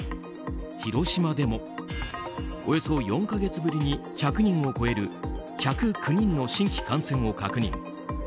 広島でも、およそ４か月ぶりに１００人を超える１０９人の新規感染を確認。